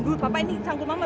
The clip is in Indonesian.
tunggu papa ini sanggup mama